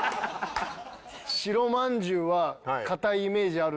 白まんじゅうは堅いイメージあるんで。